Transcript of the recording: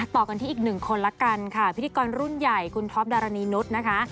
ต่อกันที่อีกหนึ่งคนละกันค่ะพิธีกรรุ่นใหญ่คุณท็อปดารณีนุษย์นะคะ